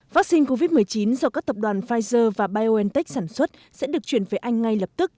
vaccine covid một mươi chín do các tập đoàn pfizer và biontech sản xuất sẽ được chuyển về anh ngay lập tức